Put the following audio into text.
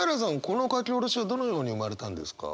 この書き下ろしはどのように生まれたんですか？